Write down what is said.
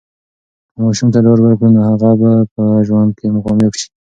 که ماشوم ته ډاډ ورکړو، نو هغه به په ژوند کې کامیاب سي.